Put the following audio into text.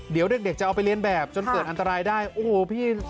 เดี๋ยวเด็กจะเอาไปเรียนแบบจนเกิดอันตรายได้โอ้โหพี่